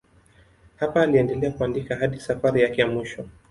Hapa aliendelea kuandika hadi safari yake ya mwisho.